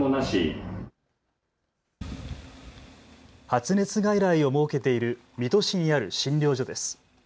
発熱外来を設けている水戸市にある診療所です。